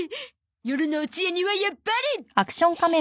夜のおつやにはやっぱり！